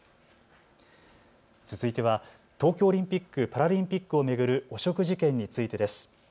続いては東京オリンピック・パラリンピックを巡る汚職事件についてです。